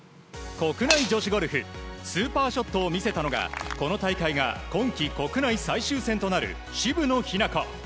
国内女子ゴルフスーパーショットを見せたのがこの大会が、今季国内最終戦となる渋野日向子。